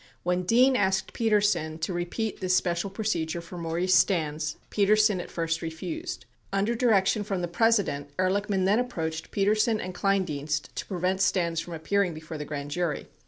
When Dean asked Petersen to repeat this special procedure for Maurice Stans, Petersen at first refused. 21 Under direction from the President, Ehrlichman then approached Petersen and Kleindienst to prevent Stans from appearing before the grand jury.